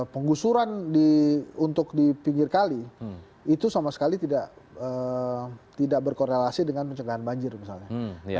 penggusuran untuk di pinggir kali itu sama sekali tidak berkorelasi dengan pencegahan banjir misalnya